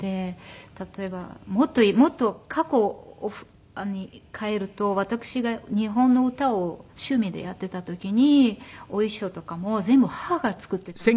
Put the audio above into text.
例えばもっと過去に返ると私が日本の歌を趣味でやっていた時にお衣装とかも全部母が作っていたんです。